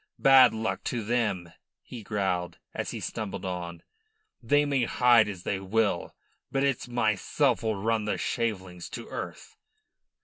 "Bad luck to them!" he growled, as he stumbled on. "They may hide as they will, but it's myself 'll run the shavelings to earth."